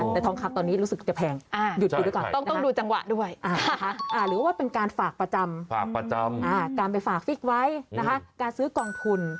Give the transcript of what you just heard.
แต่ทองคำตอนนี้รู้สึกจะแพง